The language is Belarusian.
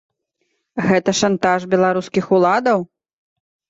Гэта шантаж беларускіх уладаў?